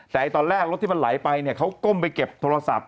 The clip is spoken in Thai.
แต่ตอนแรกรถที่มันไหลไปเนี่ยเขาก้มไปเก็บโทรศัพท์